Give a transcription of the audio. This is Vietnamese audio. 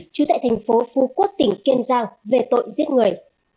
trú tại thành phố phú quốc tỉnh kiên giang về tội giết người